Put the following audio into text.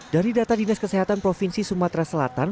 dari data dinas kesehatan provinsi sumatera selatan